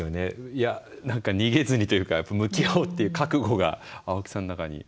いや何か逃げずにというか向き合おうっていう覚悟が青木さんの中に。